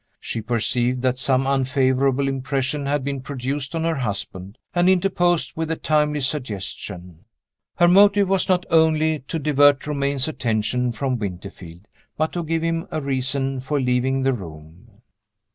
She perceived that some unfavorable impression had been produced on her husband, and interposed with a timely suggestion. Her motive was not only to divert Romayne's attention from Winterfield, but to give him a reason for leaving the room.